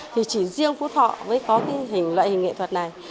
thì chỉ riêng phú thọ mới có cái loại hình nghệ thuật này